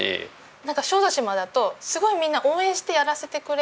なんか小豆島だとすごいみんな応援してやらせてくれる。